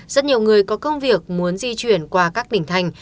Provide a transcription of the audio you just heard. rất nhiều người có công việc muốn di chuyển qua các tỉnh thành